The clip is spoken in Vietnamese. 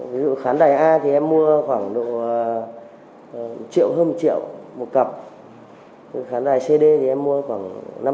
ví dụ khán đài a thì em mua khoảng một triệu hơn một triệu một cặp khán đài cd thì em mua khoảng năm sáu trăm linh